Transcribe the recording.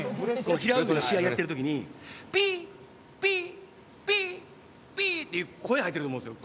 平泳ぎの試合やってる時に「ピッピッピッピッ」っていう声入ってると思うんですよ